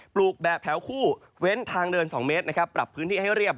ลูกแบบแถวคู่เว้นทางเดิน๒เมตรนะครับปรับพื้นที่ให้เรียบ